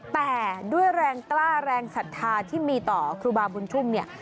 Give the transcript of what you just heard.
แต่ด้วยแรงกล้าแรงศรัทธาที่มีต่อครูบาบุญชุ่มเนี่ย